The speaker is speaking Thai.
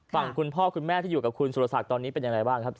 คุณพ่อคุณแม่ที่อยู่กับคุณสุรศักดิ์ตอนนี้เป็นยังไงบ้างครับ